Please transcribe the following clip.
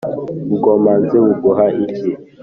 ubwomanzi buguha iki?